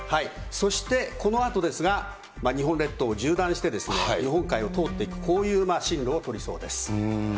そしてこのあとですが、日本列島を縦断して、日本海を通っていく、こういう進路を取りそうです。